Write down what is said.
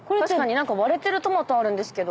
何か割れてるトマトあるんですけど。